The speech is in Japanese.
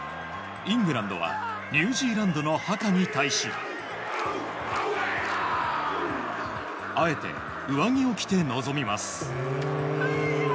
イングランドはニュージーランドのハカに対しあえて上着を着て臨みます。